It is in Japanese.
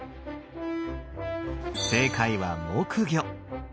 正解は木魚。